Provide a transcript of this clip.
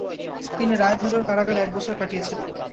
তিনি রায় ভেলোর কারাগারে এক বছর কাটিয়েছিলেন।